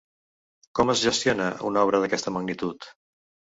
Com es gestiona una obra d’aquesta magnitud?